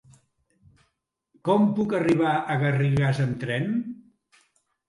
Com puc arribar a Garrigàs amb tren?